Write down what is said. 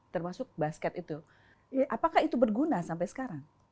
termasuk basket itu apakah itu berguna sampai sekarang